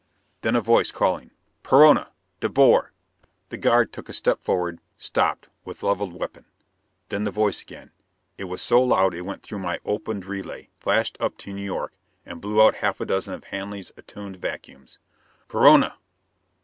Then a voice calling, "Perona! De Boer!" The guard took a step forward; stopped, with levelled weapon. Then the voice again: it was so loud it went through my opened relay, flashed up to New York, and blew out half a dozen of Hanley's attuned vacuums. "Perona!"